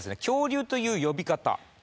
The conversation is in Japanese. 「恐竜」という呼び方。